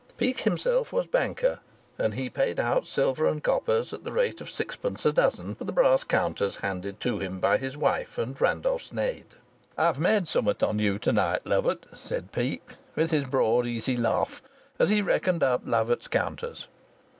Peake himself was banker, and he paid out silver and coppers at the rate of sixpence a dozen for the brass counters handed to him by his wife and Randolph Sneyd. "I've made summat on you to night, Lovatt," said Peake, with his broad easy laugh, as he reckoned up Lovatt's counters.